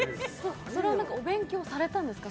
それはお勉強されたんですか？